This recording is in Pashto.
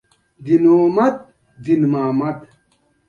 ماشي په ولاړو اوبو کې پیدا کیږي